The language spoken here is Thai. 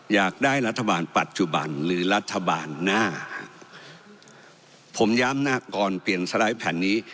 อยากได้รัฐบาลปัจจุบันหรือรัฐบาลหน้าผมย้ำนะก่อนเปลี่ยนสไลด์แผ่นนี้